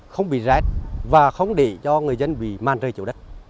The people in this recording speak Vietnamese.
không bị rát và không để cho người dân bị man rơi chỗ đất